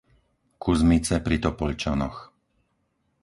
Kuzmice pri Topoľčanoch